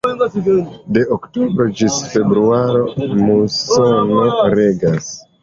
De oktobro ĝis februaro musono regas.